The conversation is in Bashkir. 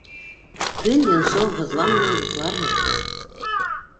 Көн йонсоу, һыҙланмай йоҡларһың...